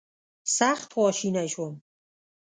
سخت خواشینی شوم.